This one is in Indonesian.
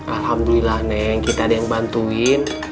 alhamdulillah neng kita ada yang bantuin